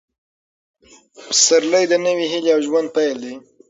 پسرلی د نوې هیلې او ژوند پیل دی.